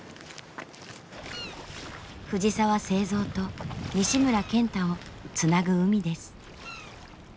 藤澤造と西村賢太をつなぐ海です。